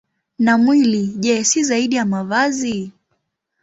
Na mwili, je, si zaidi ya mavazi?